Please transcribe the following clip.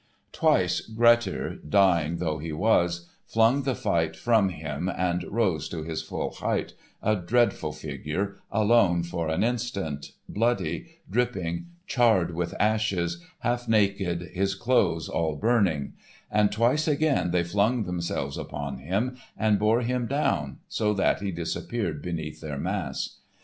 Twice Grettir, dying though he was, flung the fight from him and rose to his full height, a dreadful figure, alone for an instant, bloody, dripping, charred with ashes, half naked, his clothes all burning; and twice again they flung themselves upon him, and bore him down, so that he disappeared beneath their mass.